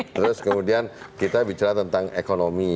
terus kemudian kita bicara tentang ekonomi